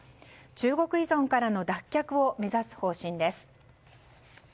中国依存からの脱却を目指す方針です。